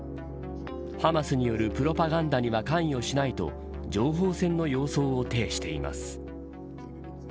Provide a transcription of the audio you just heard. ハマスによるプロパガンダには関与しないと情報戦の様相を呈しています。